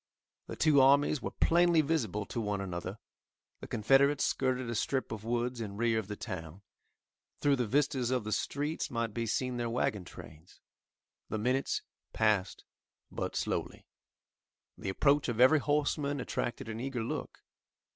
The two armies were plainly visible to one another. The Confederates skirted a strip of woods in rear of the town. Through the vistas of the streets might be seen their wagon trains. The minutes passed but slowly. The approach of every horseman attracted an eager look.